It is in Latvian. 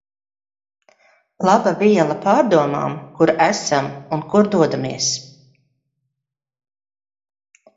Laba viela pārdomām, kur esam un kur dodamies.